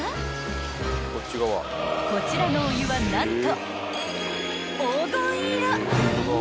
［こちらのお湯は何と］